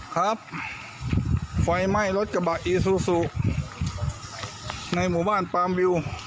ครับไฟไหม้รถกระบะอีซูซูในหมู่บ้านปามวิว